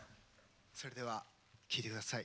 それでは聴いてください。